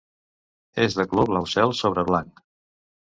És de color blau cel sobre blanc.